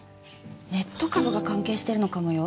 ネット株が関係してるのかもよ？